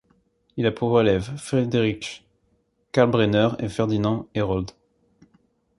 Il a pour élèves Friedrich Kalkbrenner et Ferdinand Hérold.